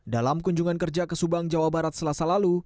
dalam kunjungan kerja ke subang jawa barat selasa lalu